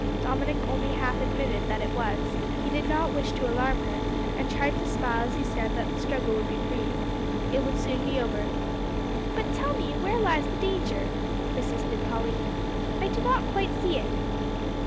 Dominick only half admitted that it was. He did not wish to alarm her, and tried to smile as he said that the struggle would be brief it would soon be over. "But tell me, where lies the danger?" persisted Pauline. "I do not quite see it."